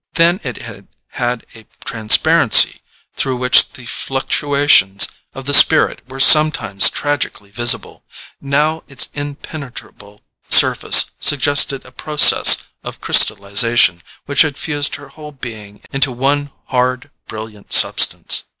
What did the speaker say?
Then it had had a transparency through which the fluctuations of the spirit were sometimes tragically visible; now its impenetrable surface suggested a process of crystallization which had fused her whole being into one hard brilliant substance.